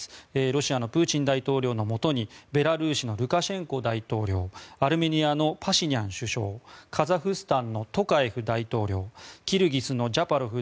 ロシアのプーチン大統領のもとにベラルーシのルカシェンコ大統領アルメニアのパシニャン首相カザフスタンのトカエフ大統領キルギスのジャパロフ